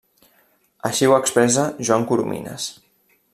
Així ho expressa Joan Coromines.